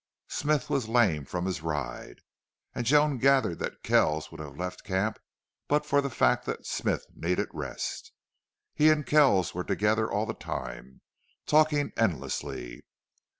Smith was lame from his ride, and Joan gathered that Kells would have left camp but for the fact that Smith needed rest. He and Kells were together all the time, talking endlessly.